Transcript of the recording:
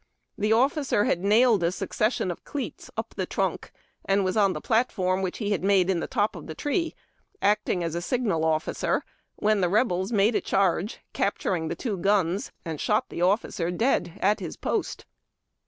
The officer had nailed a succession of cleats up the trunk, and was on the i)latform which he had made in the top of the tree, acting as signal officer, when the Rebels made a charge, capturing the two guns, and shot tlie officer dead at his post.